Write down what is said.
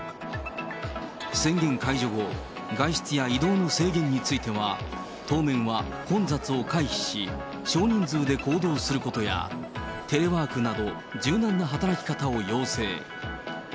宣言解除後、外出や移動の制限については、当面は混雑を回避し、少人数で行動することや、テレワークなど、柔軟な働き方を要請。